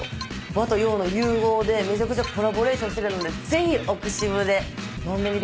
和と洋の融合でめちゃくちゃコラボレーションしてるのでぜひ奥渋で頼んでみてください。